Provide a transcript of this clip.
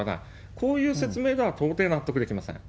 こういう説明なら到底納得できません。